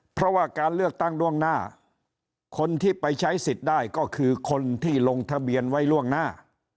เพราะว่าการเลือกตั้งล่วงหน้าคนที่ไปใช้สิทธิ์ได้ก็คือคนที่ลงทะเบียนไว้ล่วงหน้า